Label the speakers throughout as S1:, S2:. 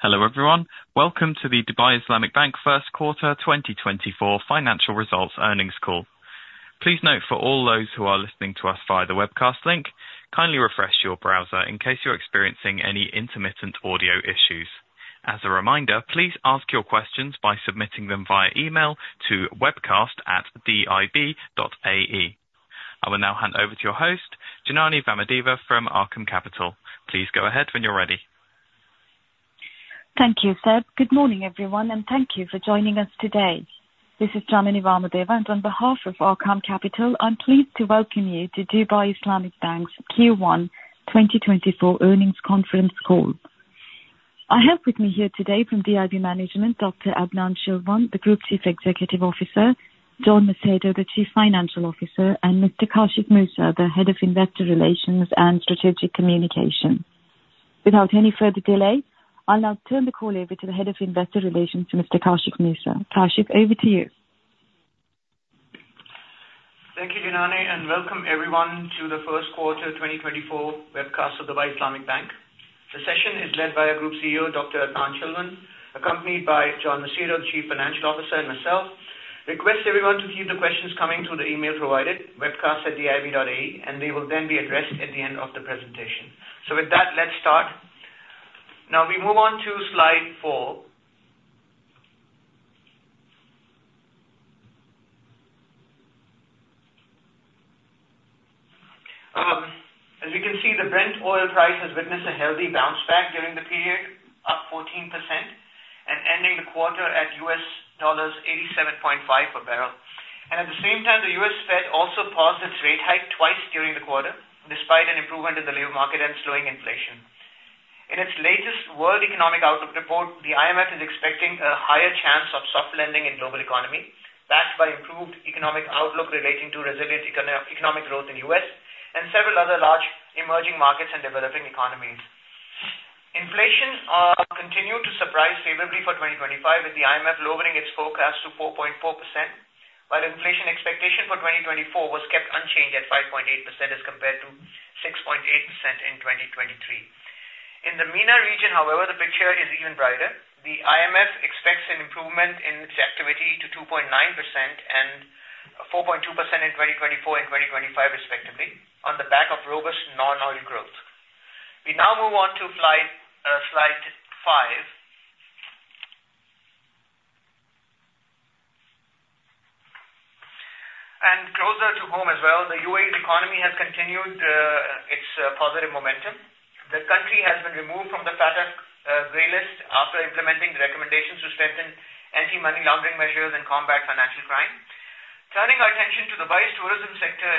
S1: Hello everyone. Welcome to the Dubai Islamic Bank first quarter 2024 financial results earnings call. Please note for all those who are listening to us via the webcast link, kindly refresh your browser in case you're experiencing any intermittent audio issues. As a reminder, please ask your questions by submitting them via email to webcast@dib.ae. I will now hand over to your host, Janany Vamadeva from Arqaam Capital. Please go ahead when you're ready.
S2: Thank you, Seb. Good morning everyone, and thank you for joining us today. This is Janany Vamadeva, and on behalf of Arqaam Capital, I'm pleased to welcome you to Dubai Islamic Bank's Q1 2024 earnings conference call. I have with me here today from DIB management, Dr. Adnan Chilwan, the Group Chief Executive Officer, John Macedo, the Chief Financial Officer, and Mr. Kashif Moosa, the Head of Investor Relations and Strategic Communication. Without any further delay, I'll now turn the call over to the Head of Investor Relations, Mr. Kashif Moosa. Kashif, over to you.
S3: Thank you, Janany, and welcome everyone to the first quarter 2024 webcast of Dubai Islamic Bank. The session is led by our Group CEO, Dr. Adnan Chilwan, accompanied by John Macedo, the Chief Financial Officer, and myself. Request everyone to keep the questions coming through the email provided, webcast@dib.ae, and they will then be addressed at the end of the presentation. So with that, let's start. Now we move on to slide four. As we can see, the Brent oil price has witnessed a healthy bounce back during the period, up 14%, and ending the quarter at $87.5 a barrel. At the same time, the U.S. Fed also paused its rate hike twice during the quarter, despite an improvement in the labor market and slowing inflation. In its latest world economic outlook report, the IMF is expecting a higher chance of soft landing in the global economy, backed by improved economic outlook relating to resilient economic growth in the U.S. and several other large emerging markets and developing economies. Inflation continued to surprise favorably for 2025, with the IMF lowering its forecast to 4.4%, while inflation expectation for 2024 was kept unchanged at 5.8% as compared to 6.8% in 2023. In the MENA region, however, the picture is even brighter. The IMF expects an improvement in its activity to 2.9% and 4.2% in 2024 and 2025, respectively, on the back of robust non-oil growth. We now move on to slide five. Closer to home as well, the U.A.E.'s economy has continued its positive momentum. The country has been removed from the FATF grey list after implementing the recommendations to strengthen anti-money laundering measures and combat financial crime. Turning our attention to Dubai's tourism sector,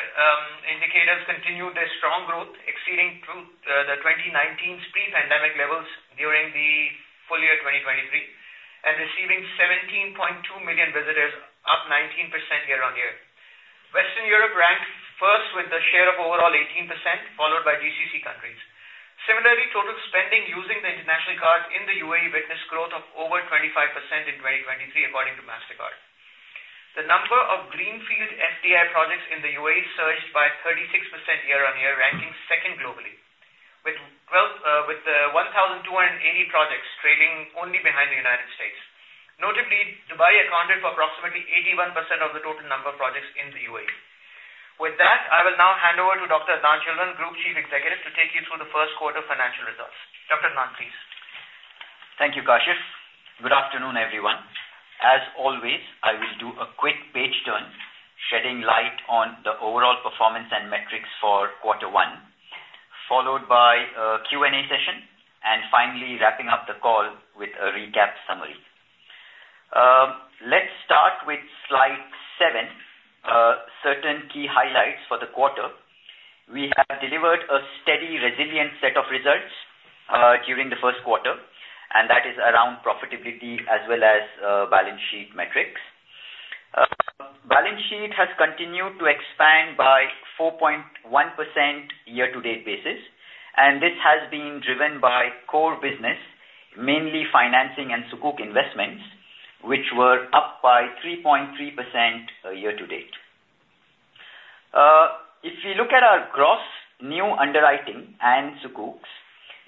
S3: indicators continue their strong growth, exceeding the 2019's pre-pandemic levels during the full year 2023, and receiving 17.2 million visitors, up 19% year-on-year. Western Europe ranked first with a share of overall 18%, followed by GCC countries. Similarly, total spending using the international card in the U.A.E. witnessed growth of over 25% in 2023, according to Mastercard. The number of greenfield FDI projects in the U.A.E. surged by 36% year-on-year, ranking second globally, with 1,280 projects trailing only behind the United States. Notably, Dubai accounted for approximately 81% of the total number of projects in the U.A.E.. With that, I will now hand over to Dr. Adnan Chilwan, Group Chief Executive, to take you through the first quarter financial results. Dr. Adnan, please.
S4: Thank you, Kashif. Good afternoon, everyone. As always, I will do a quick page turn, shedding light on the overall performance and metrics for quarter one, followed by a Q&A session, and finally wrapping up the call with a recap summary. Let's start with slide seven, certain key highlights for the quarter. We have delivered a steady, resilient set of results during the first quarter, and that is around profitability as well as balance sheet metrics. Balance sheet has continued to expand by 4.1% year-to-date basis, and this has been driven by core business, mainly financing and Sukuk investments, which were up by 3.3% year-to-date. If we look at our gross new underwriting and Sukuk,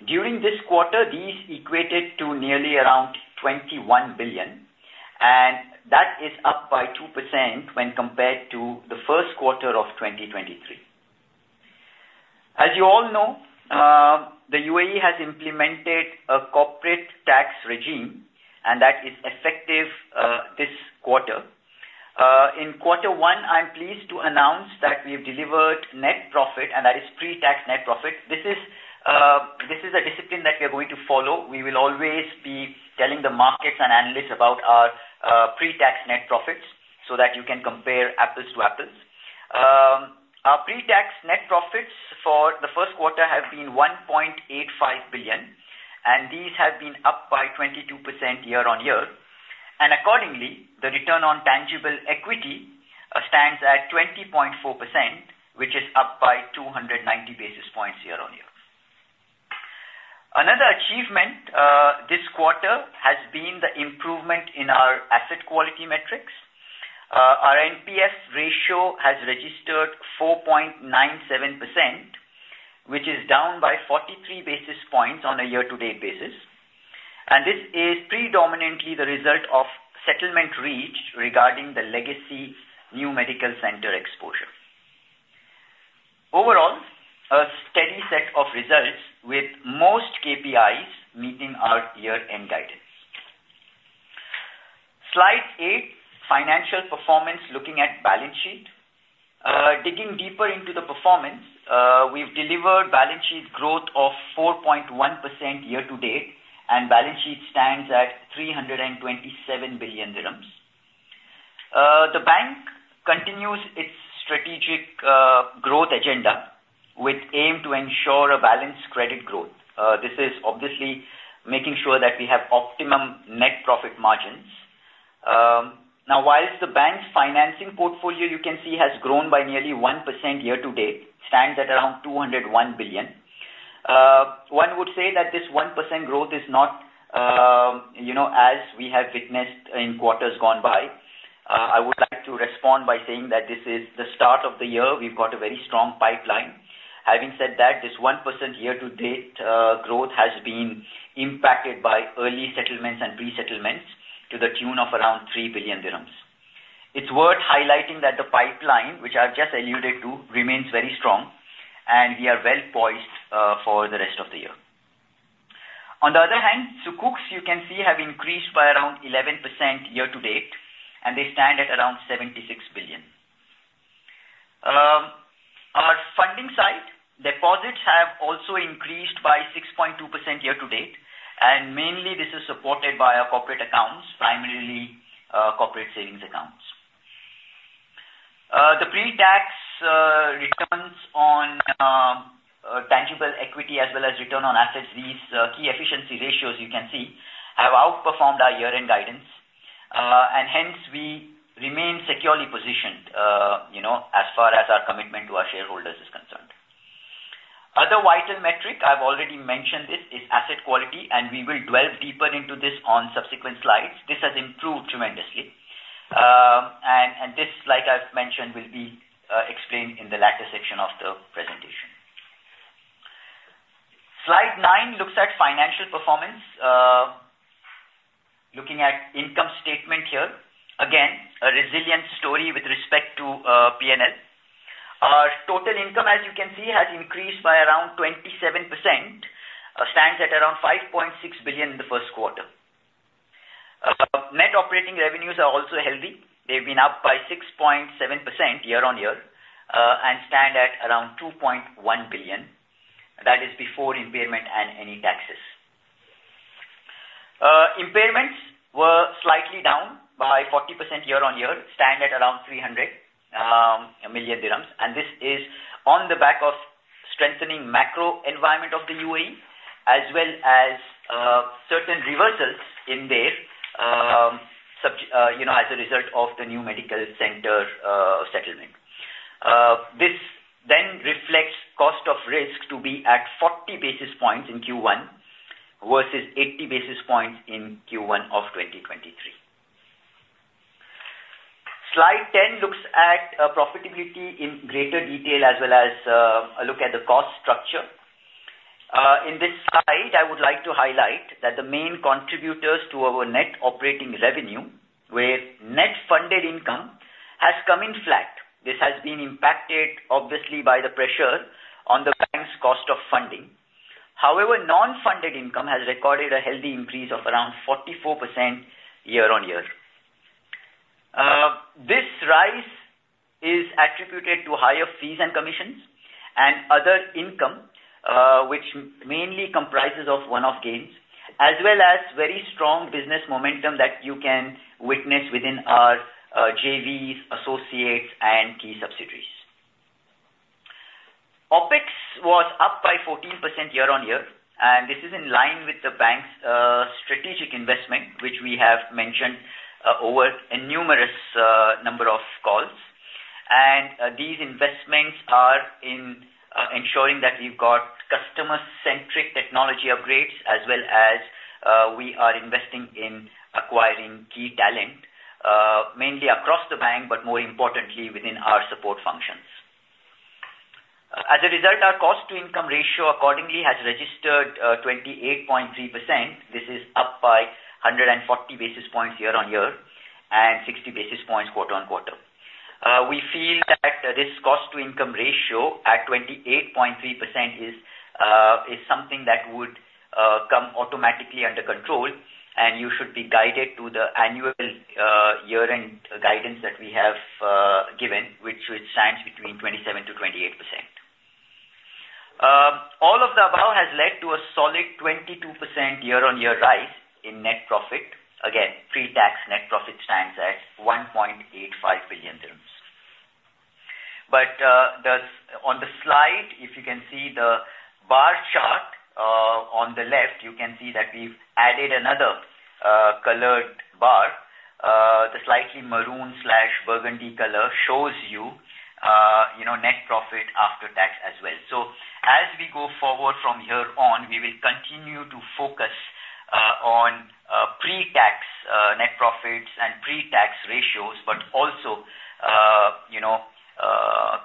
S4: during this quarter, these equated to nearly around 21 billion, and that is up by 2% when compared to the first quarter of 2023. As you all know, the U.A.E. has implemented a corporate tax regime, and that is effective this quarter. In quarter one, I'm pleased to announce that we have delivered net profit, and that is pre-tax net profit. This is a discipline that we are going to follow. We will always be telling the markets and analysts about our pre-tax net profits so that you can compare apples to apples. Our pre-tax net profits for the first quarter have been 1.85 billion, and these have been up by 22% year-on-year. And accordingly, the return on tangible equity stands at 20.4%, which is up by 290 basis points year-on-year. Another achievement this quarter has been the improvement in our asset quality metrics. Our NPF ratio has registered 4.97%, which is down by 43 basis points on a year-to-date basis. This is predominantly the result of settlement reached regarding the legacy NMC exposure. Overall, a steady set of results with most KPIs meeting our year-end guidance. Slide eight, financial performance looking at balance sheet. Digging deeper into the performance, we've delivered balance sheet growth of 4.1% year-to-date, and balance sheet stands at 327 billion dirhams. The bank continues its strategic growth agenda with aim to ensure a balanced credit growth. This is obviously making sure that we have optimum net profit margins. Now, while the bank's financing portfolio, you can see, has grown by nearly 1% year-to-date, stands at around 201 billion. One would say that this 1% growth is not as we have witnessed in quarters gone by. I would like to respond by saying that this is the start of the year. We've got a very strong pipeline. Having said that, this 1% year-to-date growth has been impacted by early settlements and pre-settlements to the tune of around 3 billion dirhams. It's worth highlighting that the pipeline, which I've just alluded to, remains very strong, and we are well-poised for the rest of the year. On the other hand, Sukuk, you can see, have increased by around 11% year-to-date, and they stand at around 76 billion. On our funding side, deposits have also increased by 6.2% year-to-date, and mainly this is supported by our corporate accounts, primarily corporate savings accounts. The pre-tax returns on tangible equity as well as return on assets, these key efficiency ratios, you can see, have outperformed our year-end guidance, and hence we remain securely positioned as far as our commitment to our shareholders is concerned. Other vital metric, I've already mentioned this, is asset quality, and we will delve deeper into this on subsequent slides. This has improved tremendously, and this, like I've mentioned, will be explained in the latter section of the presentation. Slide nine looks at financial performance, looking at income statement here. Again, a resilient story with respect to P&L. Our total income, as you can see, has increased by around 27% and stands at around 5.6 billion in the first quarter. Net operating revenues are also healthy. They've been up by 6.7% year-on-year and stand at around 2.1 billion. That is before impairment and any taxes. Impairments were slightly down by 40% year-on-year, stand at around 300 million dirhams, and this is on the back of strengthening macro environment of the U.A.E. as well as certain reversals in there as a result of the new medical center settlement. This then reflects cost of risk to be at 40 basis points in Q1 versus 80 basis points in Q1 of 2023. Slide 10 looks at profitability in greater detail as well as a look at the cost structure. In this slide, I would like to highlight that the main contributors to our net operating revenue, were net funded income, has come in flat. This has been impacted, obviously, by the pressure on the bank's cost of funding. However, non-funded income has recorded a healthy increase of around 44% year-on-year. This rise is attributed to higher fees and commissions and other income, which mainly comprises one-off gains, as well as very strong business momentum that you can witness within our JVs, associates, and key subsidiaries. OpEx was up by 14% year-on-year, and this is in line with the bank's strategic investment, which we have mentioned over a numerous number of calls. And these investments are in ensuring that we've got customer-centric technology upgrades, as well as we are investing in acquiring key talent, mainly across the bank, but more importantly, within our support functions. As a result, our cost-to-income ratio, accordingly, has registered 28.3%. This is up by 140 basis points year-on-year and 60 basis points quarter-on-quarter. We feel that this cost-to-income ratio at 28.3% is something that would come automatically under control, and you should be guided to the annual year-end guidance that we have given, which stands between 27%-28%. All of the above has led to a solid 22% year-on-year rise in net profit. Again, pre-tax net profit stands at 1.85 billion dirhams. But on the slide, if you can see the bar chart on the left, you can see that we've added another colored bar. The slightly maroon/burgundy color shows you net profit after tax as well. So as we go forward from here on, we will continue to focus on pre-tax net profits and pre-tax ratios, but also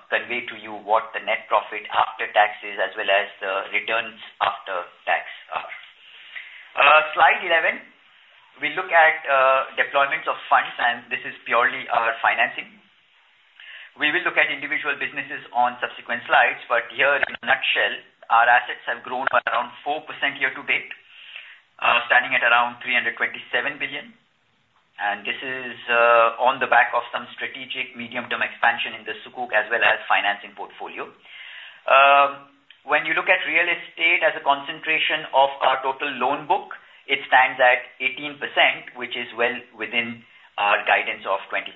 S4: convey to you what the net profit after tax is as well as the returns after tax are. Slide 11, we look at deployments of funds, and this is purely our financing. We will look at individual businesses on subsequent slides, but here, in a nutshell, our assets have grown by around 4% year-to-date, standing at around 327 billion, and this is on the back of some strategic medium-term expansion in the sukuk as well as financing portfolio. When you look at real estate as a concentration of our total loan book, it stands at 18%, which is well within our guidance of 20%.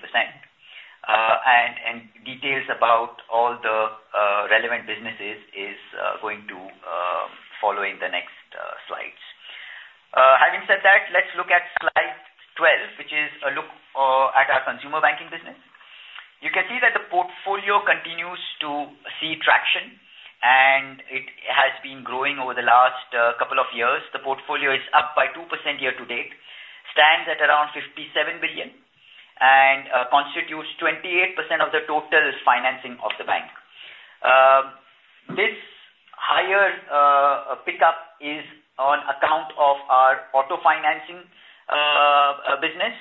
S4: Details about all the relevant businesses are going to follow in the next slides. Having said that, let's look at slide 12, which is a look at our consumer banking business. You can see that the portfolio continues to see traction, and it has been growing over the last couple of years. The portfolio is up by 2% year-to-date, stands at around 57 billion, and constitutes 28% of the total financing of the bank. This higher pickup is on account of our auto financing business,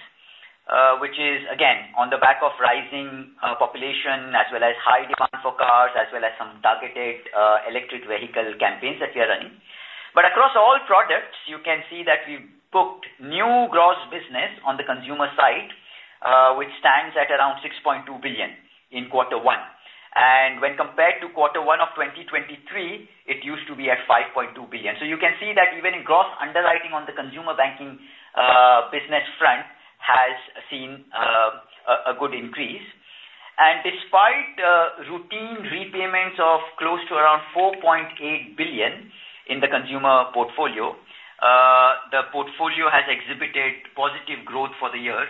S4: which is, again, on the back of rising population as well as high demand for cars as well as some targeted electric vehicle campaigns that we are running. But across all products, you can see that we've booked new gross business on the consumer side, which stands at around 6.2 billion in quarter one. And when compared to quarter one of 2023, it used to be at 5.2 billion. So you can see that even in gross underwriting on the consumer banking business front has seen a good increase. And despite routine repayments of close to around 4.8 billion in the consumer portfolio, the portfolio has exhibited positive growth for the year,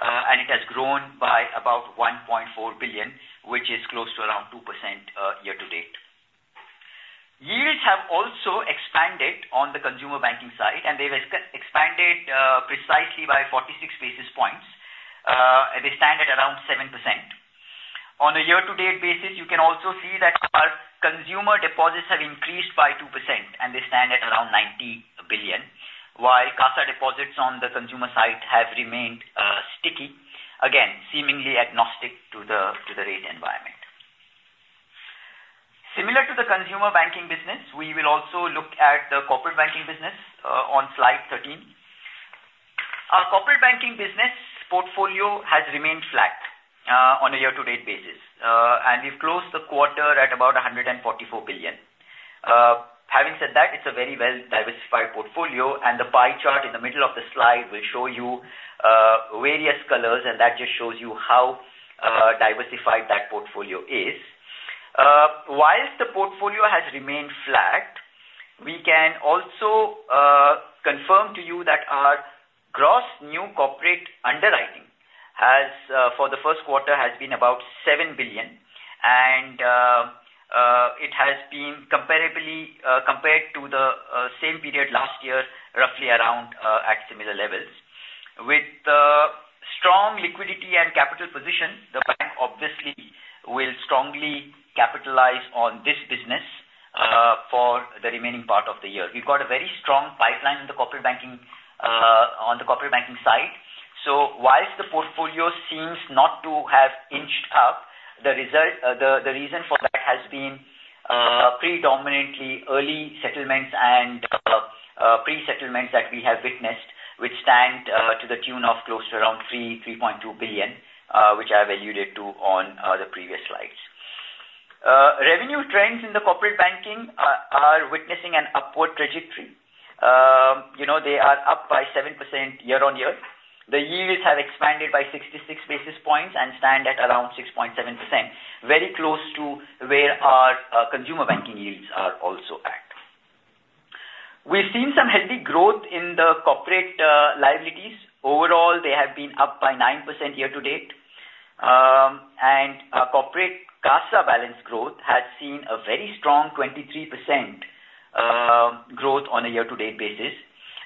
S4: and it has grown by about 1.4 billion, which is close to around 2% year-to-date. Yields have also expanded on the consumer banking side, and they've expanded precisely by 46 basis points. They stand at around 7%. On a year-to-date basis, you can also see that our consumer deposits have increased by 2%, and they stand at around 90 billion, while CASA deposits on the consumer side have remained sticky, again, seemingly agnostic to the rate environment. Similar to the consumer banking business, we will also look at the corporate banking business on slide 13. Our corporate banking business portfolio has remained flat on a year-to-date basis, and we've closed the quarter at about 144 billion. Having said that, it's a very well-diversified portfolio, and the pie chart in the middle of the slide will show you various colors, and that just shows you how diversified that portfolio is. While the portfolio has remained flat, we can also confirm to you that our gross new corporate underwriting for the first quarter has been about 7 billion, and it has been compared to the same period last year roughly around at similar levels. With strong liquidity and capital position, the bank obviously will strongly capitalize on this business for the remaining part of the year. We've got a very strong pipeline on the corporate banking side. So while the portfolio seems not to have inched up, the reason for that has been predominantly early settlements and pre-settlements that we have witnessed, which stand to the tune of close to around 3.2 billion, which I've alluded to on the previous slides. Revenue trends in the corporate banking are witnessing an upward trajectory. They are up by 7% year-on-year. The yields have expanded by 66 basis points and stand at around 6.7%, very close to where our consumer banking yields are also at. We've seen some healthy growth in the corporate liabilities. Overall, they have been up by 9% year-to-date, and corporate CASA balance growth has seen a very strong 23% growth on a year-to-date basis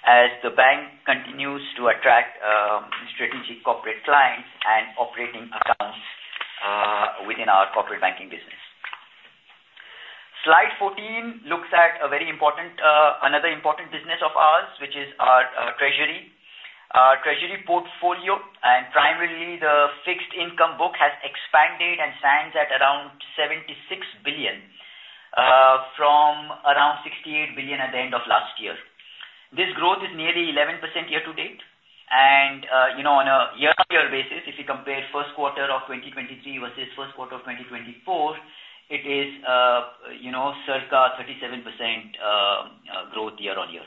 S4: as the bank continues to attract strategic corporate clients and operating accounts within our corporate banking business. Slide 14 looks at another important business of ours, which is our treasury. Our treasury portfolio and primarily the fixed income book has expanded and stands at around 76 billion from around 68 billion at the end of last year. This growth is nearly 11% year-to-date, and on a year-on-year basis, if you compare first quarter of 2023 versus first quarter of 2024, it is circa 37% growth year-on-year. Now,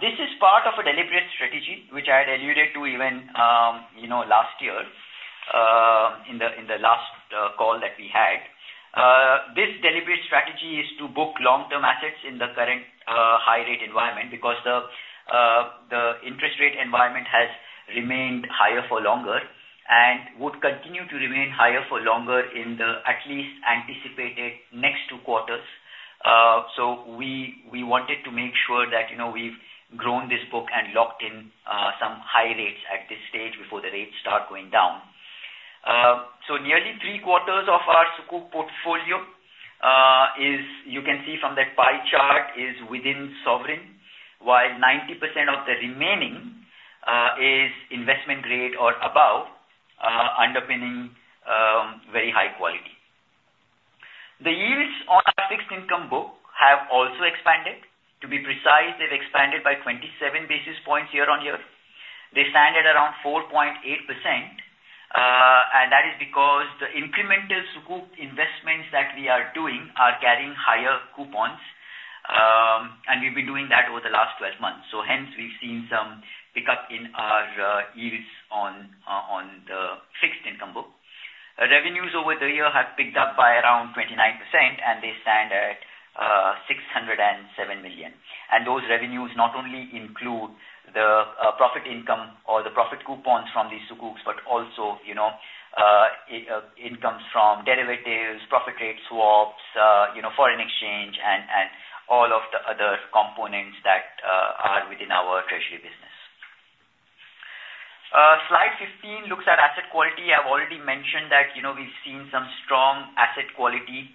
S4: this is part of a deliberate strategy, which I had alluded to even last year in the last call that we had. This deliberate strategy is to book long-term assets in the current high-rate environment because the interest rate environment has remained higher for longer and would continue to remain higher for longer in the at least anticipated next two quarters. So we wanted to make sure that we've grown this book and locked in some high rates at this stage before the rates start going down. So nearly three quarters of our Sukuk portfolio, you can see from that pie chart, is within sovereign, while 90% of the remaining is investment grade or above, underpinning very high quality. The yields on our fixed income book have also expanded. To be precise, they've expanded by 27 basis points year-on-year. They stand at around 4.8%, and that is because the incremental sukuk investments that we are doing are carrying higher coupons, and we've been doing that over the last 12 months. So hence, we've seen some pickup in our yields on the fixed income book. Revenues over the year have picked up by around 29%, and they stand at 607 million. And those revenues not only include the profit income or the profit coupons from these Sukuk, but also incomes from derivatives, profit rate swaps, foreign exchange, and all of the other components that are within our treasury business. Slide 15 looks at asset quality. I've already mentioned that we've seen some strong asset quality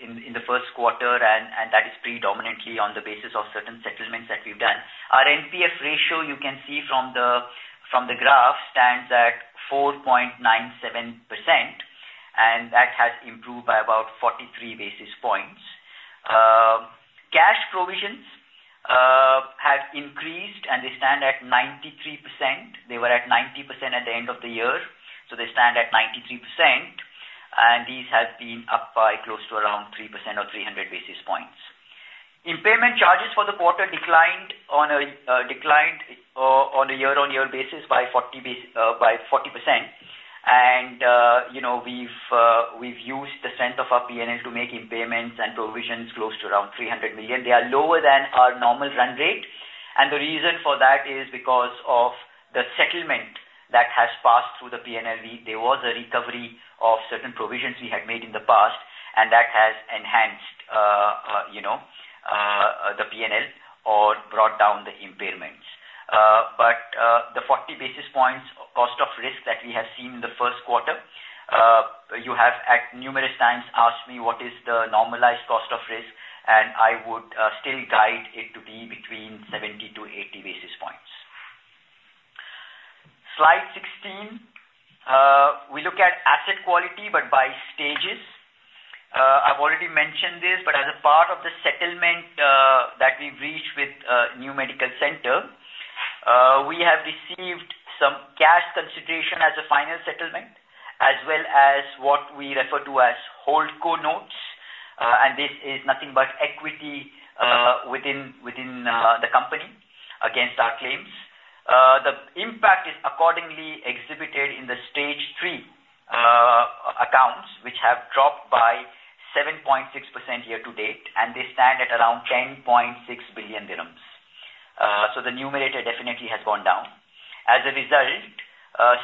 S4: in the first quarter, and that is predominantly on the basis of certain settlements that we've done. Our NPF ratio, you can see from the graph, stands at 4.97%, and that has improved by about 43 basis points. Cash provisions have increased, and they stand at 93%. They were at 90% at the end of the year, so they stand at 93%, and these have been up by close to around 3% or 300 basis points. Impairment charges for the quarter declined on a year-on-year basis by 40%, and we've used the strength of our P&L to make impairments and provisions close to around 300 million. They are lower than our normal run rate, and the reason for that is because of the settlement that has passed through the P&L. There was a recovery of certain provisions we had made in the past, and that has enhanced the P&L or brought down the impairments. The 40 basis points cost of risk that we have seen in the first quarter, you have at numerous times asked me what is the normalized cost of risk, and I would still guide it to be between 70 basis points-80 basis points. Slide 16, we look at asset quality, but by stages. I've already mentioned this, but as a part of the settlement that we've reached with NMC Health, we have received some cash consideration as a final settlement as well as what we refer to as Holdco notes, and this is nothing but equity within the company against our claims. The impact is accordingly exhibited in the stage three accounts, which have dropped by 7.6% year-to-date, and they stand at around 10.6 billion dirhams. So the numerator definitely has gone down. As a result,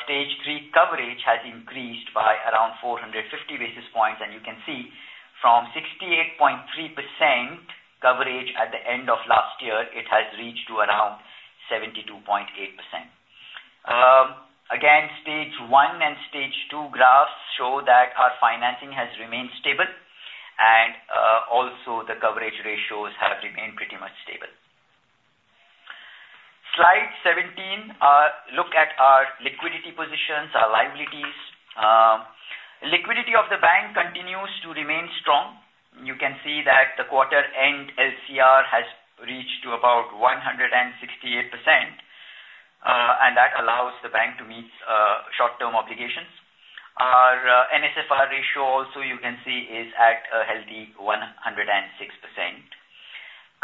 S4: stage three coverage has increased by around 450 basis points, and you can see from 68.3% coverage at the end of last year, it has reached to around 72.8%. Again, stage one and stage two graphs show that our financing has remained stable, and also the coverage ratios have remained pretty much stable. Slide 17, look at our liquidity positions, our liabilities. Liquidity of the bank continues to remain strong. You can see that the quarter-end LCR has reached to about 168%, and that allows the bank to meet short-term obligations. Our NSFR ratio also, you can see, is at a healthy 106%.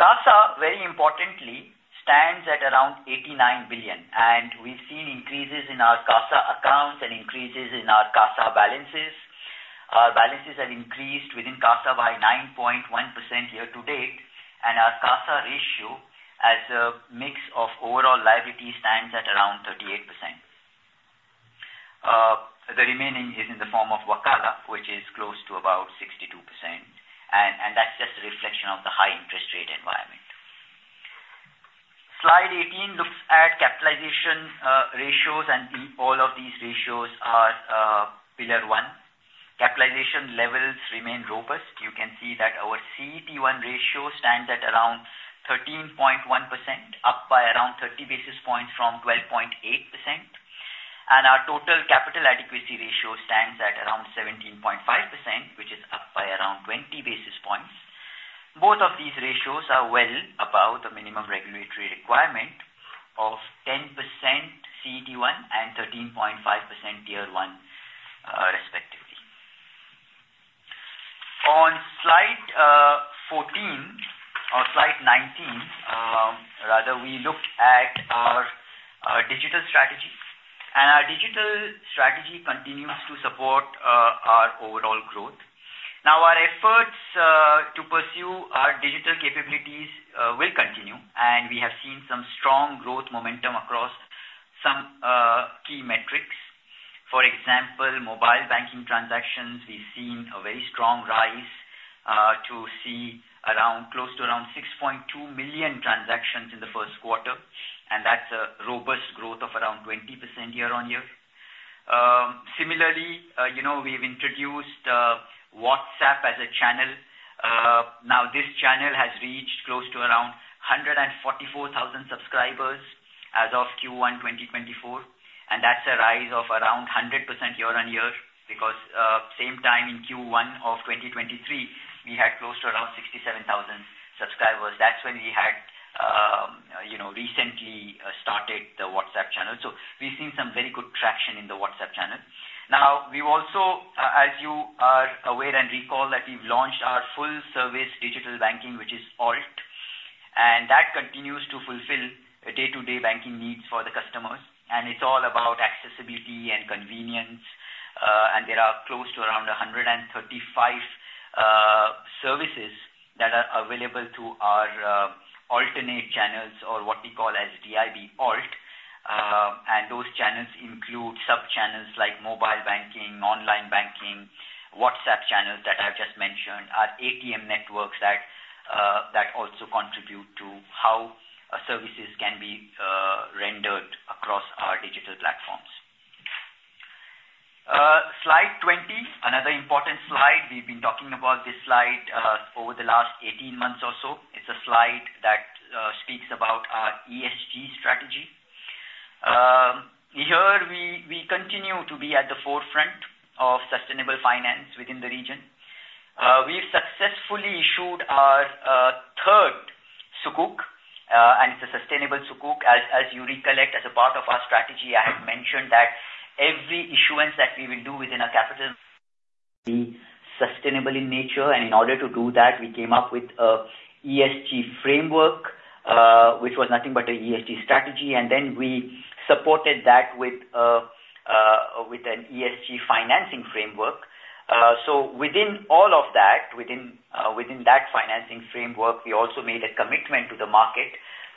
S4: CASA, very importantly, stands at around 89 billion, and we've seen increases in our CASA accounts and increases in our CASA balances. Our balances have increased within CASA by 9.1% year-to-date, and our CASA ratio as a mix of overall liabilities stands at around 38%. The remaining is in the form of Wakala, which is close to about 62%, and that's just a reflection of the high interest rate environment. Slide 18 looks at capitalization ratios, and all of these ratios are pillar one. Capitalization levels remain robust. You can see that our CET1 ratio stands at around 13.1%, up by around 30 basis points from 12.8%, and our total capital adequacy ratio stands at around 17.5%, which is up by around 20 basis points. Both of these ratios are well above the minimum regulatory requirement of 10% CET1 and 13.5% Tier 1, respectively. On slide 14 or slide 19, rather, we looked at our digital strategy, and our digital strategy continues to support our overall growth. Now, our efforts to pursue our digital capabilities will continue, and we have seen some strong growth momentum across some key metrics. For example, mobile banking transactions, we've seen a very strong rise to see close to around 6.2 million transactions in the first quarter, and that's a robust growth of around 20% year-on-year. Similarly, we've introduced WhatsApp as a channel. Now, this channel has reached close to around 144,000 subscribers as of Q1 2024, and that's a rise of around 100% year-on-year because same time in Q1 of 2023, we had close to around 67,000 subscribers. That's when we had recently started the WhatsApp channel. So we've seen some very good traction in the WhatsApp channel. Now, we've also, as you are aware and recall, that we've launched our full-service digital banking, which is alt, and that continues to fulfill day-to-day banking needs for the customers, and it's all about accessibility and convenience. And there are close to around 135 services that are available through our alternate channels or what we call as DIB alt, and those channels include sub-channels like mobile banking, online banking, WhatsApp channels that I've just mentioned, our ATM networks that also contribute to how services can be rendered across our digital platforms. Slide 20, another important slide. We've been talking about this slide over the last 18 months or so. It's a slide that speaks about our ESG strategy. Here, we continue to be at the forefront of sustainable finance within the region. We've successfully issued our third Sukuk, and it's a sustainable Sukuk. As you recollect, as a part of our strategy, I had mentioned that every issuance that we will do within our capital be sustainable in nature, and in order to do that, we came up with an ESG framework, which was nothing but an ESG strategy, and then we supported that with an ESG financing framework. So within all of that, within that financing framework, we also made a commitment to the market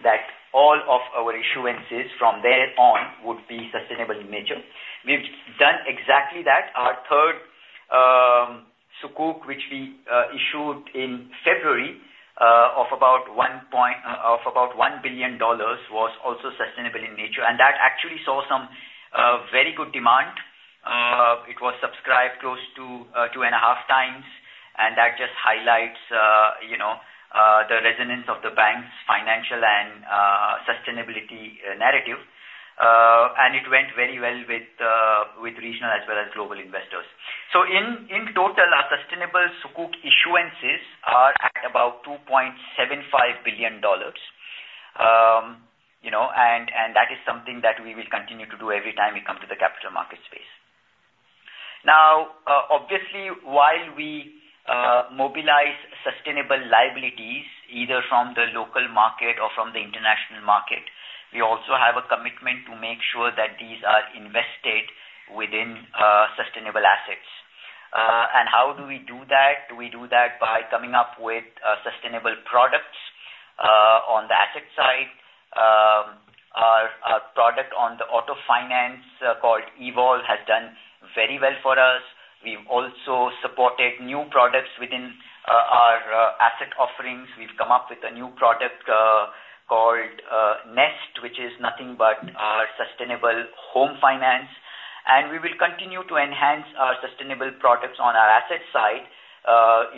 S4: that all of our issuances from there on would be sustainable in nature. We've done exactly that. Our third Sukuk, which we issued in February of about $1 billion, was also sustainable in nature, and that actually saw some very good demand. It was subscribed close to 2.5x, and that just highlights the resonance of the bank's financial and sustainability narrative, and it went very well with regional as well as global investors. So in total, our sustainable sukuk issuances are at about $2.75 billion, and that is something that we will continue to do every time we come to the capital market space. Now, obviously, while we mobilize sustainable liabilities either from the local market or from the international market, we also have a commitment to make sure that these are invested within sustainable assets. And how do we do that? We do that by coming up with sustainable products on the asset side. Our product on the auto finance called Evolve has done very well for us. We've also supported new products within our asset offerings. We've come up with a new product called Nest, which is nothing but our sustainable home finance, and we will continue to enhance our sustainable products on our asset side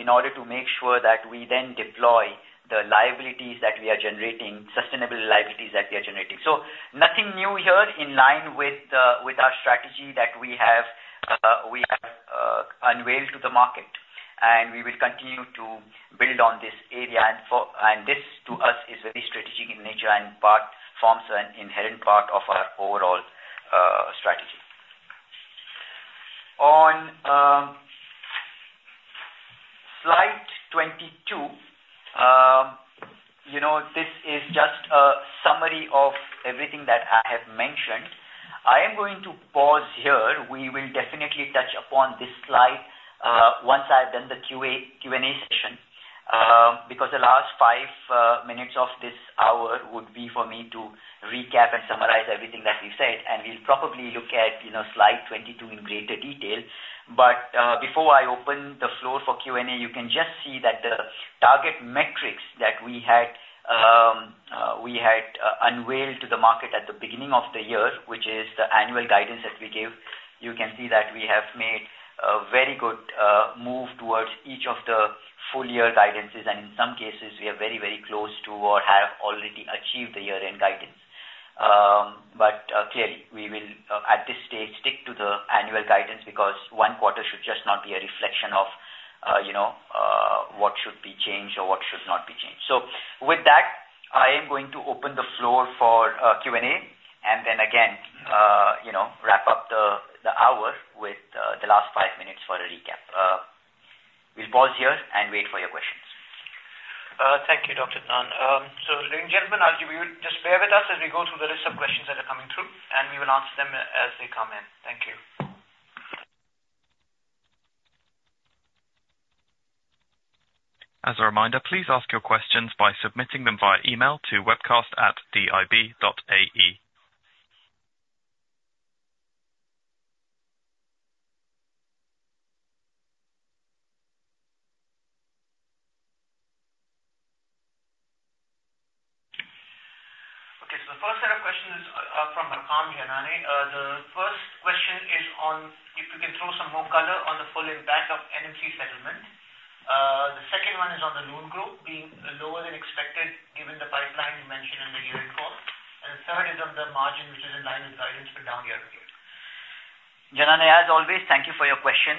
S4: in order to make sure that we then deploy the liabilities that we are generating, sustainable liabilities that we are generating. Nothing new here in line with our strategy that we have unveiled to the market, and we will continue to build on this area, and this, to us, is very strategic in nature and forms an inherent part of our overall strategy. On slide 22, this is just a summary of everything that I have mentioned. I am going to pause here. We will definitely touch upon this slide once I have done the Q&A session because the last five minutes of this hour would be for me to recap and summarize everything that we've said, and we'll probably look at slide 22 in greater detail. But before I open the floor for Q&A, you can just see that the target metrics that we had unveiled to the market at the beginning of the year, which is the annual guidance that we gave, you can see that we have made a very good move towards each of the full-year guidances, and in some cases, we are very, very close to or have already achieved the year-end guidance. But clearly, we will, at this stage, stick to the annual guidance because one quarter should just not be a reflection of what should be changed or what should not be changed. With that, I am going to open the floor for Q&A and then, again, wrap up the hour with the last five minutes for a recap. We'll pause here and wait for your questions.
S3: Thank you, Dr. Adnan. So ladies and gentlemen, I'll give you just bear with us as we go through the list of questions that are coming through, and we will answer them as they come in. Thank you.
S1: As a reminder, please ask your questions by submitting them via email to webcast@dib.ae.
S3: Okay. So the first set of questions are from Hakam, Janany. The first question is on if we can throw some more color on the full impact of NMC settlement. The second one is on the loan growth being lower than expected given the pipeline you mentioned in the year-end quarter, and the third is on the margin, which is in line with guidance for down-year repair.
S4: Janany, as always, thank you for your question.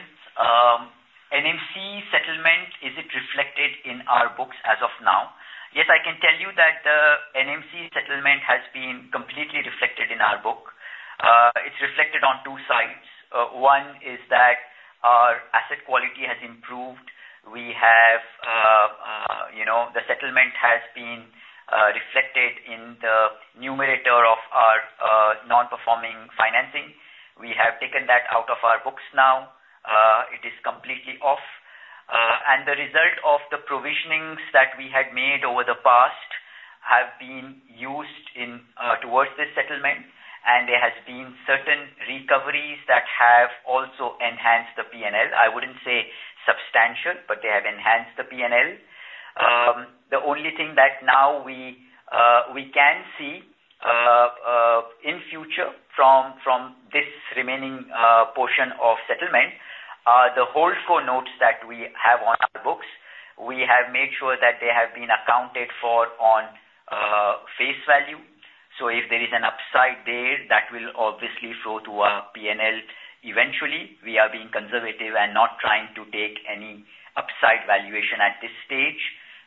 S4: NMC settlement, is it reflected in our books as of now? Yes, I can tell you that the NMC settlement has been completely reflected in our book. It's reflected on two sides. One is that our asset quality has improved. The settlement has been reflected in the numerator of our non-performing financing. We have taken that out of our books now. It is completely off, and the result of the provisionings that we had made over the past have been used towards this settlement, and there has been certain recoveries that have also enhanced the P&L. I wouldn't say substantial, but they have enhanced the P&L. The only thing that now we can see in future from this remaining portion of settlement are the Holdco notes that we have on our books. We have made sure that they have been accounted for on face value. So if there is an upside there, that will obviously flow to our P&L eventually. We are being conservative and not trying to take any upside valuation at this stage.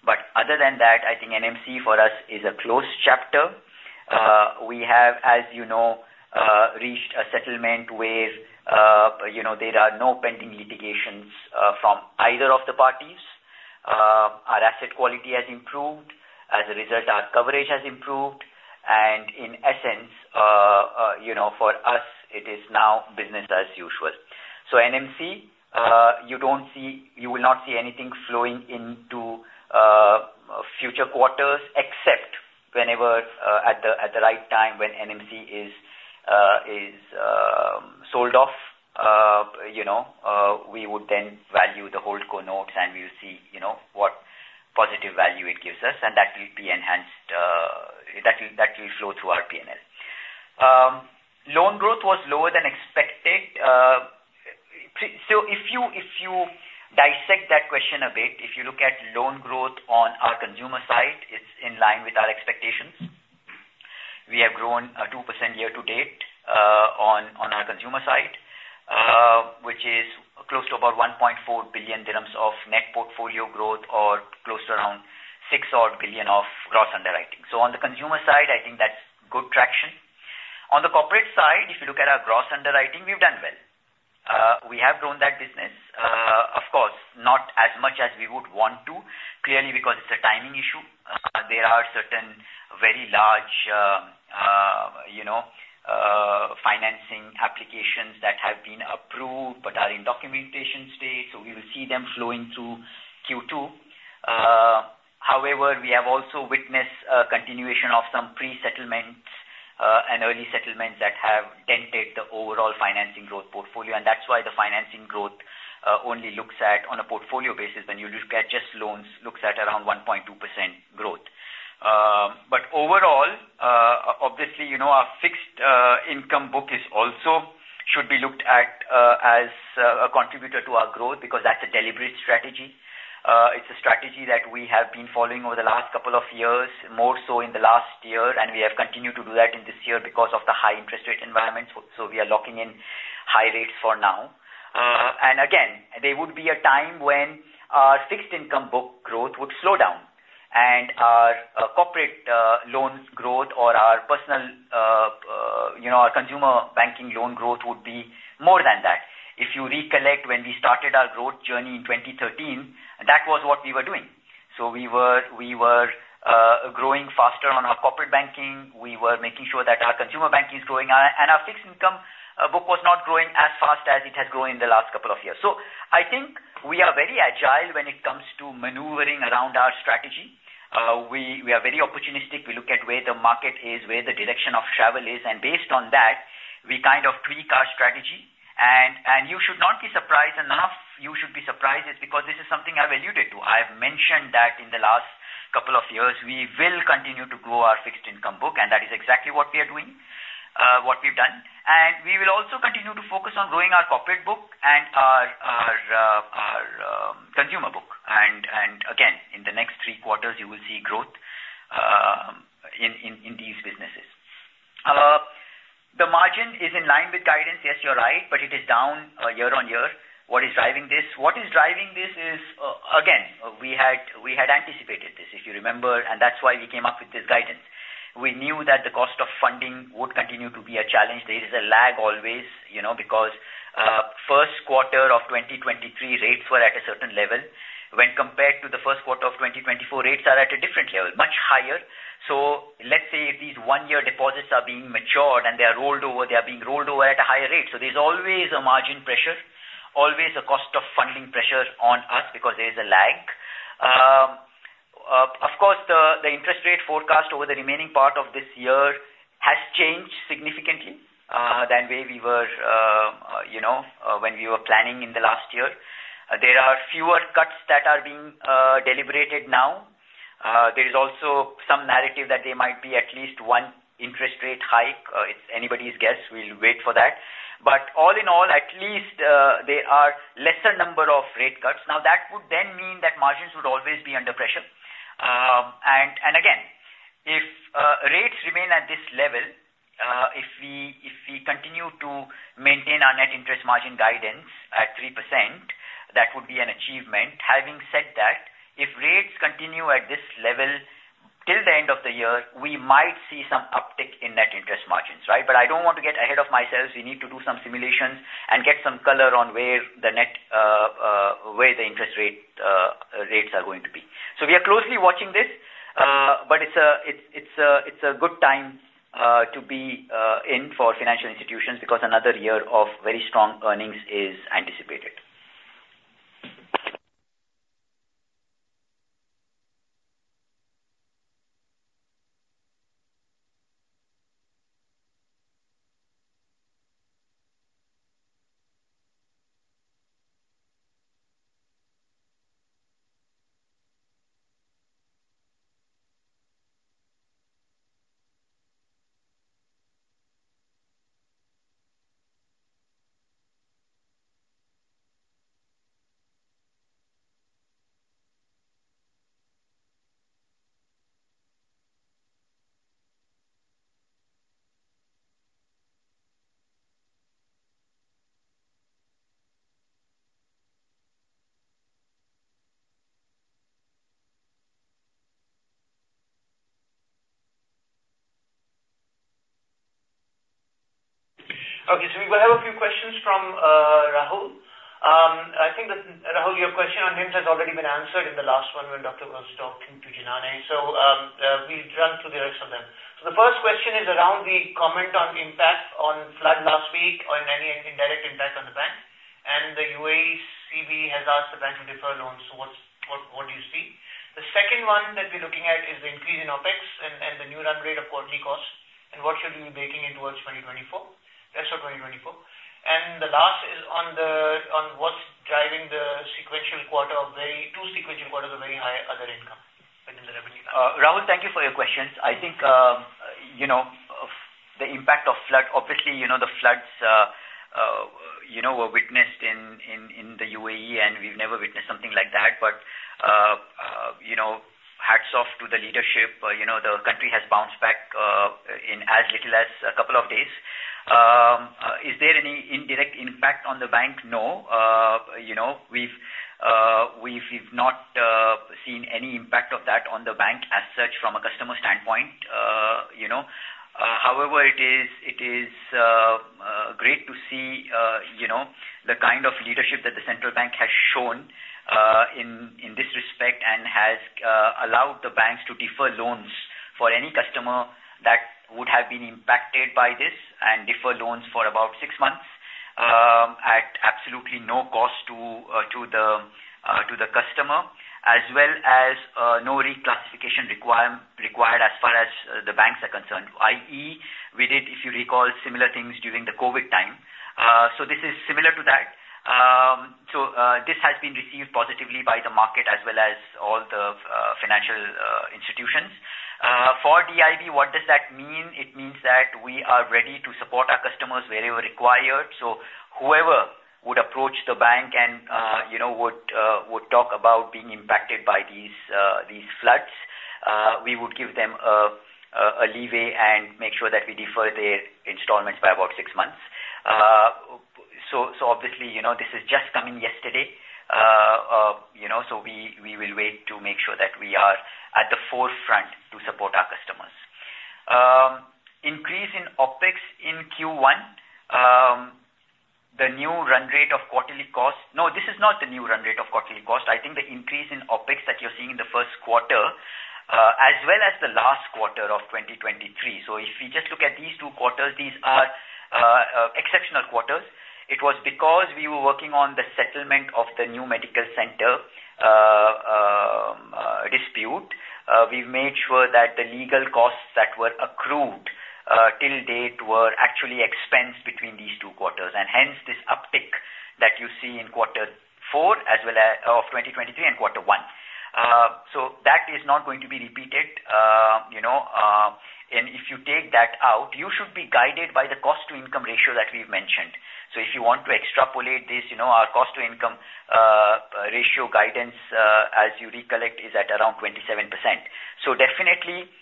S4: But other than that, I think NMC, for us, is a closed chapter. We have, as you know, reached a settlement where there are no pending litigations from either of the parties. Our asset quality has improved. As a result, our coverage has improved, and in essence, for us, it is now business as usual. So NMC, you will not see anything flowing into future quarters except whenever at the right time when NMC is sold off, we would then value the hold co-notes, and we'll see what positive value it gives us, and that will be enhanced that will flow through our P&L. Loan growth was lower than expected. So if you dissect that question a bit, if you look at loan growth on our consumer side, it's in line with our expectations. We have grown 2% year-to-date on our consumer side, which is close to about 1.4 billion dirhams of net portfolio growth or close to around 6-odd billion of gross underwriting. So on the consumer side, I think that's good traction. On the corporate side, if you look at our gross underwriting, we've done well. We have grown that business, of course, not as much as we would want to, clearly, because it's a timing issue. There are certain very large financing applications that have been approved but are in documentation state, so we will see them flowing through Q2. However, we have also witnessed a continuation of some pre-settlements and early settlements that have dented the overall financing growth portfolio, and that's why the financing growth only looks at on a portfolio basis. When you look at just loans, it looks at around 1.2% growth. But overall, obviously, our fixed income book should be looked at as a contributor to our growth because that's a deliberate strategy. It's a strategy that we have been following over the last couple of years, more so in the last year, and we have continued to do that in this year because of the high interest rate environments, so we are locking in high rates for now. And again, there would be a time when our fixed income book growth would slow down, and our corporate loan growth or our personal consumer banking loan growth would be more than that. If you recollect when we started our growth journey in 2013, that was what we were doing. So we were growing faster on our corporate banking. We were making sure that our consumer banking is growing, and our fixed income book was not growing as fast as it has grown in the last couple of years. So I think we are very agile when it comes to maneuvering around our strategy. We are very opportunistic. We look at where the market is, where the direction of travel is, and based on that, we kind of tweak our strategy. And you should not be surprised, and none of you should be surprised, is because this is something I've alluded to. I have mentioned that in the last couple of years, we will continue to grow our fixed income book, and that is exactly what we are doing, what we've done. We will also continue to focus on growing our corporate book and our consumer book. Again, in the next three quarters, you will see growth in these businesses. The margin is in line with guidance. Yes, you're right, but it is down year-on-year. What is driving this? What is driving this is, again, we had anticipated this, if you remember, and that's why we came up with this guidance. We knew that the cost of funding would continue to be a challenge. There is a lag always because first quarter of 2023, rates were at a certain level. When compared to the first quarter of 2024, rates are at a different level, much higher. So let's say if these one-year deposits are being matured and they are rolled over, they are being rolled over at a higher rate. So there's always a margin pressure, always a cost of funding pressure on us because there is a lag. Of course, the interest rate forecast over the remaining part of this year has changed significantly than where we were when we were planning in the last year. There are fewer cuts that are being deliberated now. There is also some narrative that there might be at least one interest rate hike. It's anybody's guess. We'll wait for that. But all in all, at least there are a lesser number of rate cuts. Now, that would then mean that margins would always be under pressure. And again, if rates remain at this level, if we continue to maintain our net interest margin guidance at 3%, that would be an achievement. Having said that, if rates continue at this level till the end of the year, we might see some uptick in net interest margins, right? But I don't want to get ahead of myself. We need to do some simulations and get some color on where the interest rates are going to be. So we are closely watching this, but it's a good time to be in for financial institutions because another year of very strong earnings is anticipated.
S3: Okay. So we will have a few questions from Rahul. I think that, Rahul, your question on NIMS has already been answered in the last one when Dr. was talking to Janany, so we'll run through the rest of them. So the first question is around the comment on impact on flood last week or any indirect impact on the bank, and the UACB has asked the bank to defer loans. So what do you see? The second one that we're looking at is the increase in OpEx and the new run rate of quarterly cost, and what should we be baking in towards 2024, rest of 2024? And the last is on what's driving the sequential quarter of two sequential quarters of very high other income within the revenue line.
S4: Rahul, thank you for your questions. I think the impact of flood, obviously, the floods were witnessed in the U.A.E., and we've never witnessed something like that, but hats off to the leadership. The country has bounced back in as little as a couple of days. Is there any indirect impact on the bank? No. We've not seen any impact of that on the bank as such from a customer standpoint. However, it is great to see the kind of leadership that the central bank has shown in this respect and has allowed the banks to defer loans for any customer that would have been impacted by this and defer loans for about six months at absolutely no cost to the customer, as well as no reclassification required as far as the banks are concerned, i.e., we did, if you recall, similar things during the COVID time. So this is similar to that. So this has been received positively by the market as well as all the financial institutions. For DIB, what does that mean? It means that we are ready to support our customers wherever required. So whoever would approach the bank and would talk about being impacted by these floods, we would give them a leeway and make sure that we defer their installments by about six months. So obviously, this is just coming yesterday, so we will wait to make sure that we are at the forefront to support our customers. Increase in OpEx in Q1, the new run rate of quarterly cost? No, this is not the new run rate of quarterly cost. I think the increase in OpEx that you're seeing in the first quarter as well as the last quarter of 2023. So if we just look at these two quarters, these are exceptional quarters. It was because we were working on the settlement of the new medical center dispute. We've made sure that the legal costs that were accrued to date were actually expensed between these two quarters, and hence, this uptick that you see in quarter four of 2023 and quarter one. So that is not going to be repeated. And if you take that out, you should be guided by the cost-to-income ratio that we've mentioned. So if you want to extrapolate this, our cost-to-income ratio guidance, as you recollect, is at around 27%. So definitely,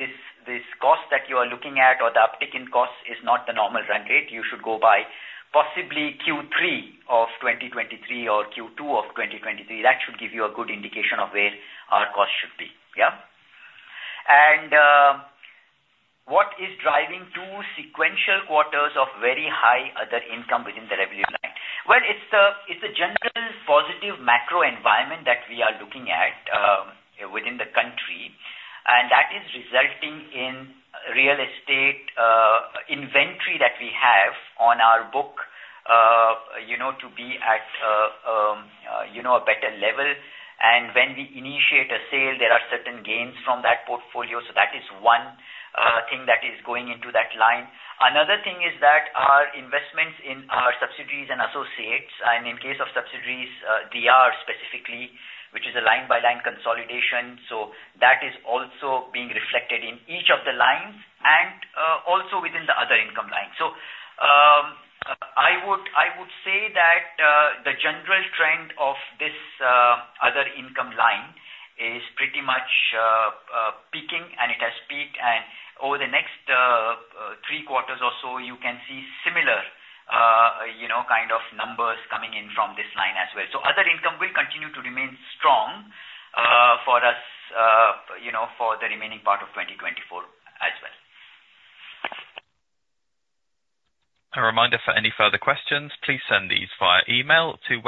S4: this cost that you are looking at or the uptick in cost is not the normal run rate. You should go by possibly Q3 of 2023 or Q2 of 2023. That should give you a good indication of where our cost should be, yeah? And what is driving two sequential quarters of very high other income within the revenue line? Well, it's the general positive macro environment that we are looking at within the country, and that is resulting in real estate inventory that we have on our book to be at a better level. And when we initiate a sale, there are certain gains from that portfolio, so that is one thing that is going into that line. Another thing is that our investments in our subsidiaries and associates, and in case of subsidiaries, Deyaar specifically, which is a line-by-line consolidation, so that is also being reflected in each of the lines and also within the other income line. I would say that the general trend of this other income line is pretty much peaking, and it has peaked. Over the next three quarters or so, you can see similar kind of numbers coming in from this line as well. other income will continue to remain strong for us for the remaining part of 2024 as well.
S1: A reminder for any further questions, please send these via email to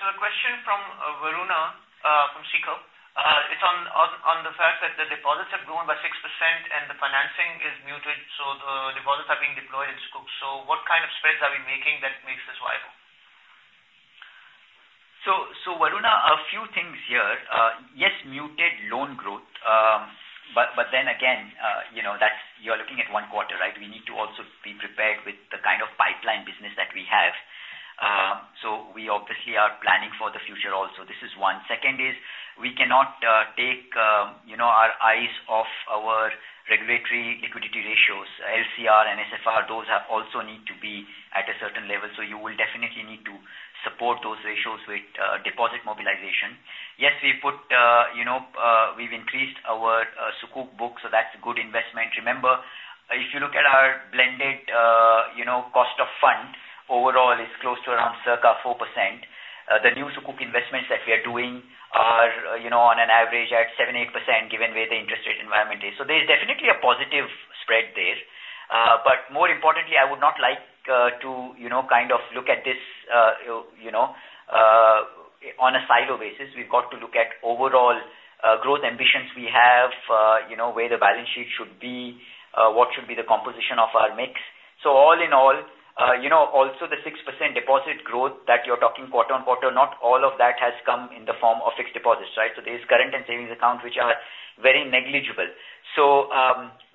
S1: webcast@dib.ae.
S3: Okay. So the question from Varuna from SICO, it's on the fact that the deposits have grown by 6% and the financing is muted, so the deposits are being deployed in SCOOP. So what kind of spreads are we making that makes this viable?
S4: So Varuna, a few things here. Yes, muted loan growth, but then again, you're looking at one quarter, right? We need to also be prepared with the kind of pipeline business that we have. So we obviously are planning for the future also. This is one. Second is we cannot take our eyes off our regulatory liquidity ratios, LCR and NSFR. Those also need to be at a certain level, so you will definitely need to support those ratios with deposit mobilization. Yes, we've increased our Sukuk book, so that's a good investment. Remember, if you look at our blended cost of fund, overall, it's close to around circa 4%. The new sukuk investments that we are doing are on an average at 7%-8% given where the interest rate environment is. So there's definitely a positive spread there. But more importantly, I would not like to kind of look at this on a silo basis. We've got to look at overall growth ambitions we have, where the balance sheet should be, what should be the composition of our mix. So all in all, also the 6% deposit growth that you're talking quarter-on-quarter, not all of that has come in the form of fixed deposits, right? So there's current and savings accounts, which are very negligible. So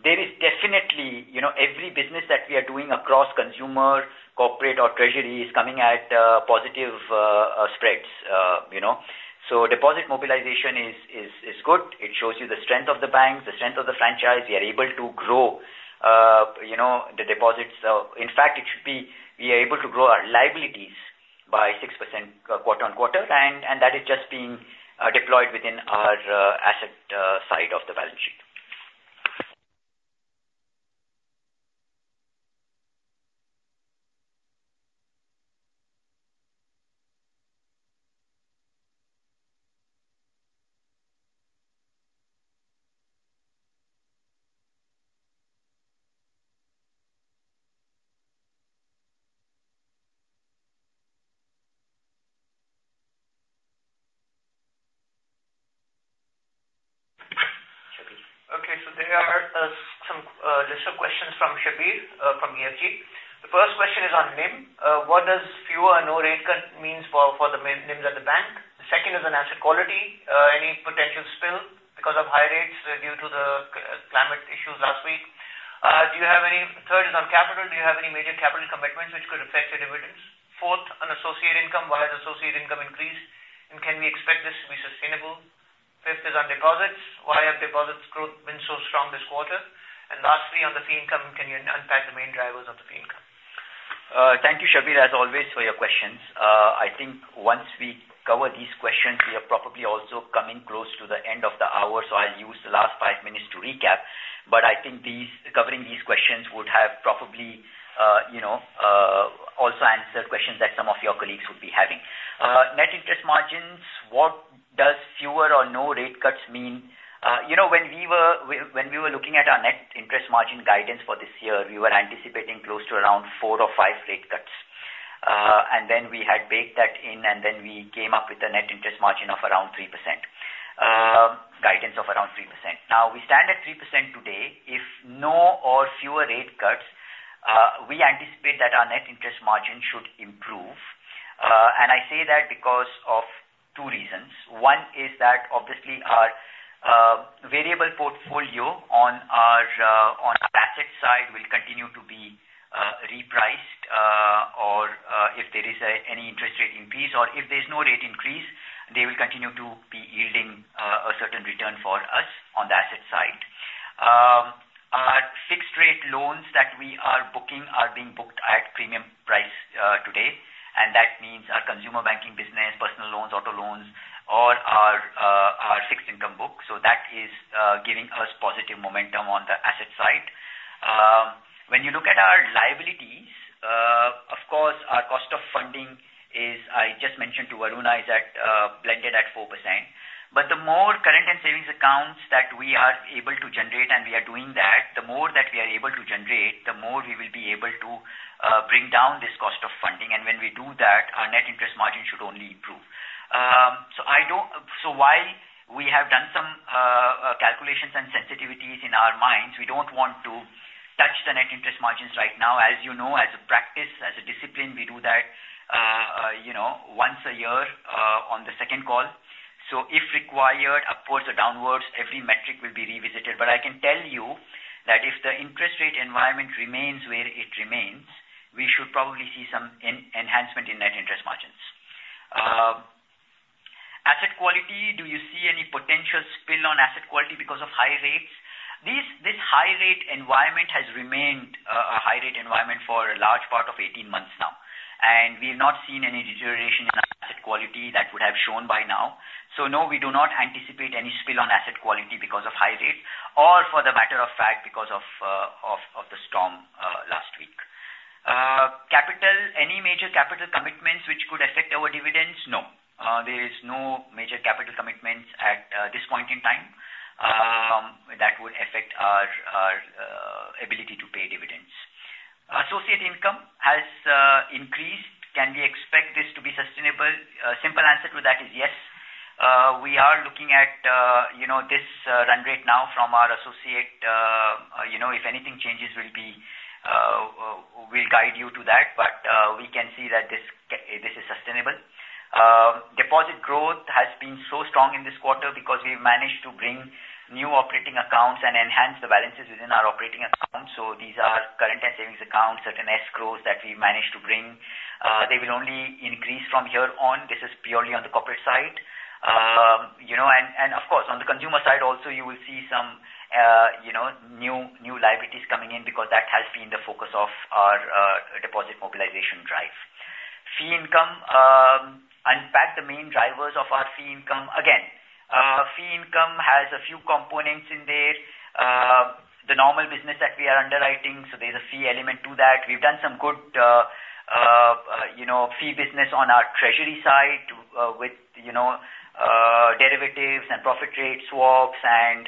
S4: there is definitely every business that we are doing across consumer, corporate, or treasury is coming at positive spreads. So deposit mobilization is good. It shows you the strength of the banks, the strength of the franchise. We are able to grow the deposits. In fact, it should be we are able to grow our liabilities by 6% quarter-on-quarter, and that is just being deployed within our asset side of the balance sheet.
S3: Okay. So there are a list of questions from Shabbir from EFG. The first question is on NIMS. What does fewer or no rate cut means for the NIMS at the bank? The second is on asset quality, any potential spill because of high rates due to the climate issues last week? Third is on capital. Do you have any major capital commitments which could affect your dividends? Fourth, on associate income, why has associate income increased, and can we expect this to be sustainable? Fifth is on deposits. Why have deposits grown so strong this quarter? And lastly, on the fee income, can you unpack the main drivers of the fee income?
S4: Thank you, Shabbir, as always, for your questions. I think once we cover these questions, we are probably also coming close to the end of the hour, so I'll use the last five minutes to recap. I think covering these questions would have probably also answered questions that some of your colleagues would be having. Net interest margins, what does fewer or no rate cuts mean? When we were looking at our net interest margin guidance for this year, we were anticipating close to around four or five rate cuts, and then we had baked that in, and then we came up with a net interest margin of around 3%, guidance of around 3%. Now, we stand at 3% today. If no or fewer rate cuts, we anticipate that our net interest margin should improve. And I say that because of two reasons. One is that obviously, our variable portfolio on our asset side will continue to be repriced, or if there is any interest rate increase, or if there's no rate increase, they will continue to be yielding a certain return for us on the asset side. Our fixed-rate loans that we are booking are being booked at premium price today, and that means our consumer banking business, personal loans, auto loans, all are fixed income book. So that is giving us positive momentum on the asset side. When you look at our liabilities, of course, our cost of funding is, I just mentioned to Varuna, is blended at 4%. But the more current and savings accounts that we are able to generate, and we are doing that, the more that we are able to generate, the more we will be able to bring down this cost of funding. And when we do that, our net interest margin should only improve. So while we have done some calculations and sensitivities in our minds, we don't want to touch the net interest margins right now. As you know, as a practice, as a discipline, we do that once a year on the second call. So if required, upwards or downwards, every metric will be revisited. But I can tell you that if the interest rate environment remains where it remains, we should probably see some enhancement in net interest margins. Asset quality, do you see any potential spill on asset quality because of high rates? This high-rate environment has remained a high-rate environment for a large part of 18 months now, and we have not seen any deterioration in asset quality that would have shown by now. So no, we do not anticipate any spill on asset quality because of high rates, or for the matter of fact, because of the storm last week. Capital, any major capital commitments which could affect our dividends? No. There is no major capital commitments at this point in time that would affect our ability to pay dividends. Associate income has increased. Can we expect this to be sustainable? Simple answer to that is yes. We are looking at this run rate now from our associate. If anything changes, we'll guide you to that, but we can see that this is sustainable. Deposit growth has been so strong in this quarter because we've managed to bring new operating accounts and enhance the balances within our operating accounts. So these are current and savings accounts, certain escrows that we've managed to bring. They will only increase from here on. This is purely on the corporate side. Of course, on the consumer side also, you will see some new liabilities coming in because that has been the focus of our deposit mobilization drive. Fee income. Unpack the main drivers of our fee income. Again, fee income has a few components in there, the normal business that we are underwriting. So there's a fee element to that. We've done some good fee business on our treasury side with derivatives and profit rate swaps and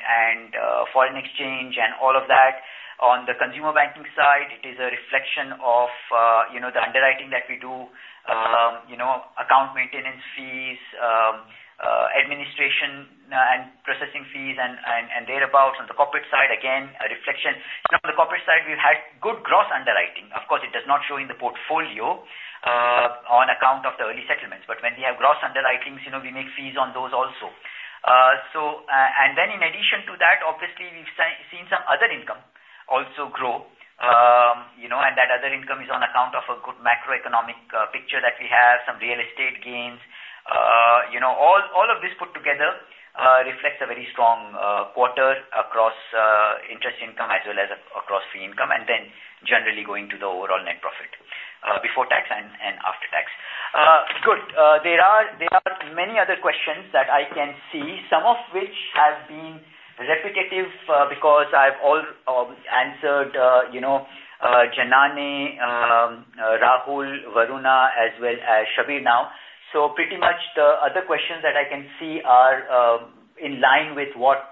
S4: foreign exchange and all of that. On the consumer banking side, it is a reflection of the underwriting that we do, account maintenance fees, administration and processing fees, and thereabouts. On the corporate side, again, a reflection. On the corporate side, we've had good gross underwriting. Of course, it does not show in the portfolio on account of the early settlements, but when we have gross underwritings, we make fees on those also. And then in addition to that, obviously, we've seen some other income also grow, and that other income is on account of a good macroeconomic picture that we have, some real estate gains. All of this put together reflects a very strong quarter across interest income as well as across fee income and then generally going to the overall net profit before tax and after tax. Good. There are many other questions that I can see, some of which have been repetitive because I've already answered Janany, Rahul, Varuna, as well as Shabir now. So pretty much the other questions that I can see are in line with what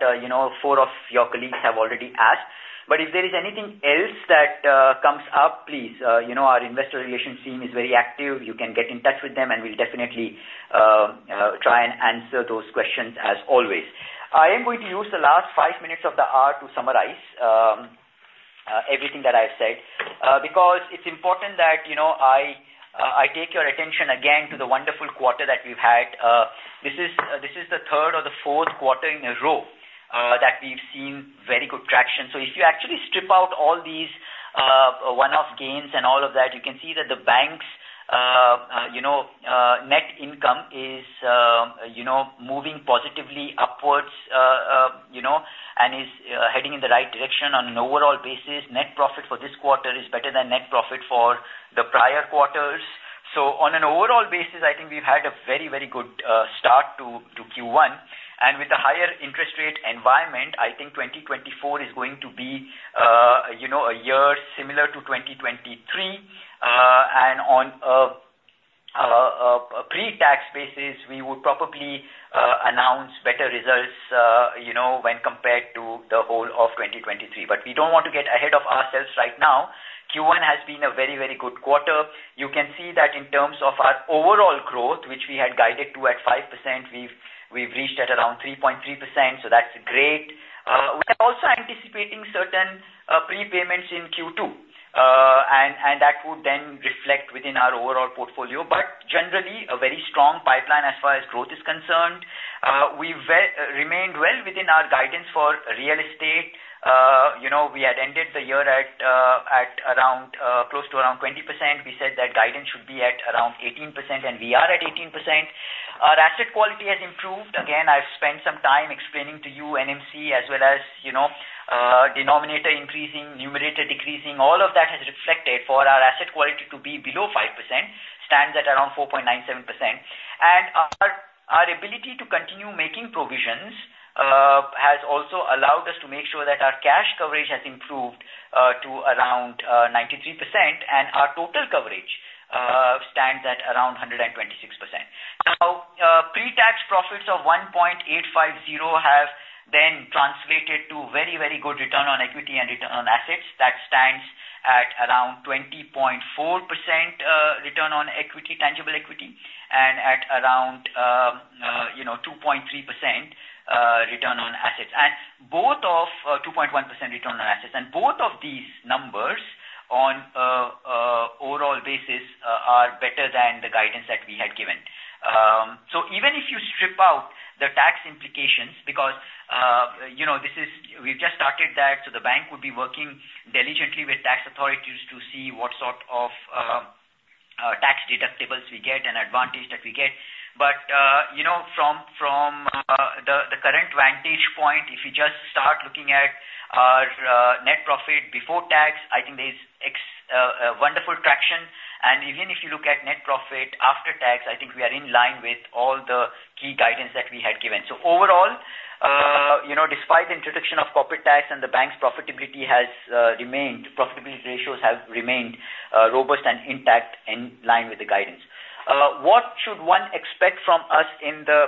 S4: four of your colleagues have already asked. But if there is anything else that comes up, please. Our investor relations team is very active. You can get in touch with them, and we'll definitely try and answer those questions as always. I am going to use the last five minutes of the hour to summarize everything that I've said because it's important that I take your attention again to the wonderful quarter that we've had. This is the third or the fourth quarter in a row that we've seen very good traction. So if you actually strip out all these one-off gains and all of that, you can see that the banks' net income is moving positively upwards and is heading in the right direction on an overall basis. Net profit for this quarter is better than net profit for the prior quarters. So on an overall basis, I think we've had a very, very good start to Q1. And with the higher interest rate environment, I think 2024 is going to be a year similar to 2023. And on a pre-tax basis, we would probably announce better results when compared to the whole of 2023. But we don't want to get ahead of ourselves right now. Q1 has been a very, very good quarter. You can see that in terms of our overall growth, which we had guided to at 5%, we've reached at around 3.3%, so that's great. We are also anticipating certain prepayments in Q2, and that would then reflect within our overall portfolio. But generally, a very strong pipeline as far as growth is concerned. We've remained well within our guidance for real estate. We had ended the year at close to around 20%. We said that guidance should be at around 18%, and we are at 18%. Our asset quality has improved. Again, I've spent some time explaining to you NMC as well as denominator increasing, numerator decreasing. All of that has reflected for our asset quality to be below 5%, stands at around 4.97%. And our ability to continue making provisions has also allowed us to make sure that our cash coverage has improved to around 93%, and our total coverage stands at around 126%. Now, pre-tax profits of 1.850 billion have then translated to very, very good return on equity and return on assets. That stands at around 20.4% return on tangible equity and at around 2.3% return on assets. And both of 2.1% return on assets, and both of these numbers on an overall basis are better than the guidance that we had given. So even if you strip out the tax implications because this is we've just started that, so the bank would be working diligently with tax authorities to see what sort of tax deductibles we get and advantage that we get. But from the current vantage point, if you just start looking at our net profit before tax, I think there's wonderful traction. And even if you look at net profit after tax, I think we are in line with all the key guidance that we had given. So overall, despite the introduction of corporate tax and the bank's profitability has remained. Profitability ratios have remained robust and intact in line with the guidance. What should one expect from us in the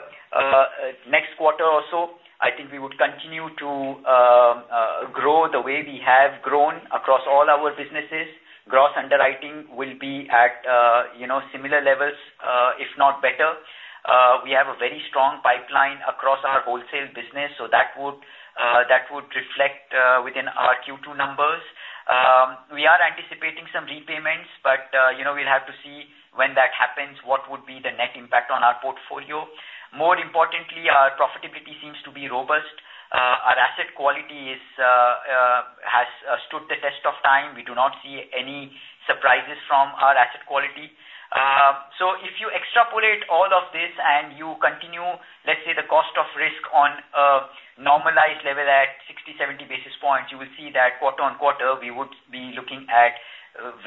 S4: next quarter or so? I think we would continue to grow the way we have grown across all our businesses. Gross underwriting will be at similar levels, if not better. We have a very strong pipeline across our wholesale business, so that would reflect within our Q2 numbers. We are anticipating some repayments, but we'll have to see when that happens what would be the net impact on our portfolio. More importantly, our profitability seems to be robust. Our asset quality has stood the test of time. We do not see any surprises from our asset quality. So if you extrapolate all of this and you continue, let's say, the cost of risk on a normalized level at 60 basis points-70 basis points, you will see that quarter-on-quarter, we would be looking at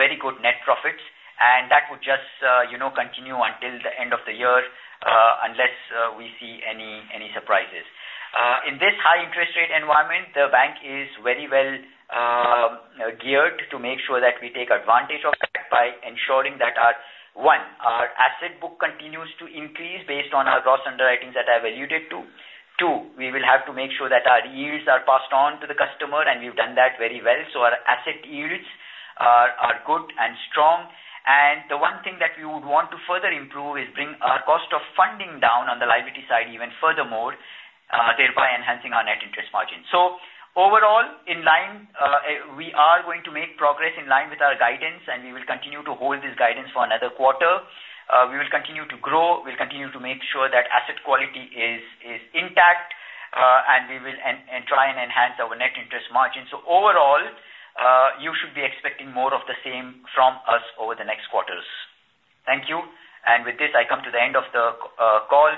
S4: very good net profits, and that would just continue until the end of the year unless we see any surprises. In this high-interest-rate environment, the bank is very well geared to make sure that we take advantage of that by ensuring that, one, our asset book continues to increase based on our gross underwritings that I've alluded to. Two, we will have to make sure that our yields are passed on to the customer, and we've done that very well. Our asset yields are good and strong. The one thing that we would want to further improve is bring our cost of funding down on the liability side even furthermore, thereby enhancing our net interest margin. Overall, in line, we are going to make progress in line with our guidance, and we will continue to hold this guidance for another quarter. We will continue to grow. We'll continue to make sure that asset quality is intact, and we will try and enhance our net interest margin. Overall, you should be expecting more of the same from us over the next quarters. Thank you. With this, I come to the end of the call.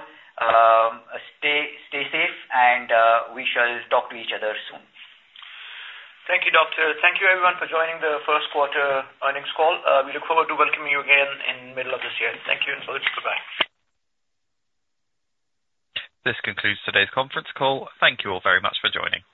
S4: Stay safe, and we shall talk to each other soon.
S3: Thank you, Doctor. Thank you, everyone, for joining the first quarter earnings call. We look forward to welcoming you again in the middle of this year. Thank you, and for the goodbye.
S1: This concludes today's conference call. Thank you all very much for joining.